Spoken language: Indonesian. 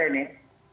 di aceh nih